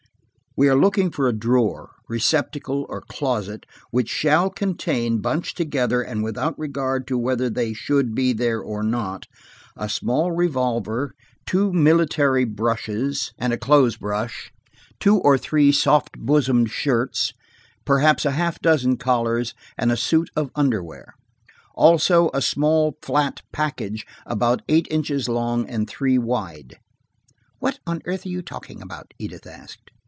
We are looking for a drawer, receptacle or closet, which shall contain, bunched together, and without regard to whether they should be there or not, a small revolver, two military brushes and a clothes brush, two or three soft bosomed shirts, perhaps a half dozen collars, and a suit of underwear. Also a small flat package about eight inches long and three wide." "What in the world are you talking about ?" Edith asked.